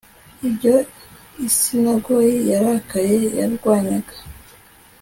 Ibyo isinagogi yarakaye yarwanyaga